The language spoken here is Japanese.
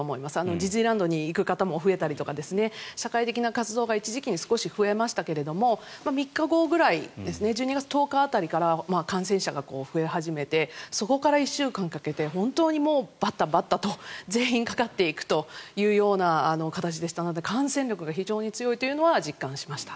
ディズニーランドに行く方も増えたりとか、社会的な活動が一時期に少し増えましたけれども３日後ぐらい１２月１０日辺りから感染者が増え始めてそこから１週間かけて本当にもうバタバタと全員かかっていくという感じでしたので感染力が非常に強いというのは実感しました。